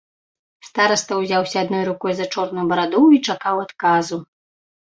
Стараста ўзяўся адной рукою за чорную бараду і чакаў адказу.